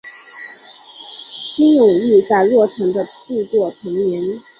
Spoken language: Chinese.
金永玉在洛城的度过童年。